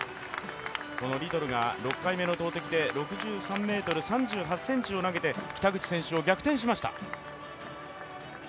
このリトルが６回目の投てきで６３ｍ３８ｃｍを投げて、北口選手を逆転しました。